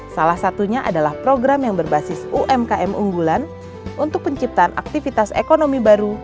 salah satunya adalah program yang berbasis umkm unggulan untuk penciptaan aktivitas ekonomi baru